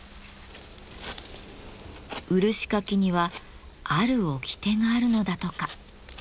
漆かきにはある掟があるのだとか。